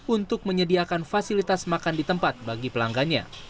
untuk menyediakan fasilitas makan di tempat bagi pelanggannya